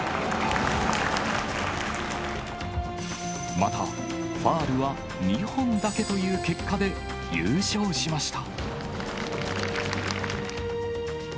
また、ファウルは２本だけという結果で、優勝しました。